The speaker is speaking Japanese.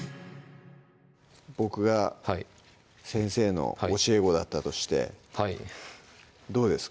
僕が先生の教え子だったとしてはいどうですか？